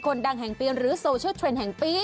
ดังแห่งปีหรือโซเชียลเทรนด์แห่งปี